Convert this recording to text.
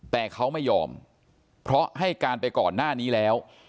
แต่เขาไม่ยอมเพราะให้การไปก่อนหน้านี้แล้ว